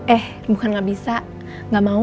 eh bukan gak bisa gak mau